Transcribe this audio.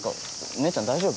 姉ちゃん大丈夫？